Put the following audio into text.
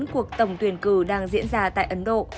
cuộc tổng tuyển cử đang diễn ra tại ấn độ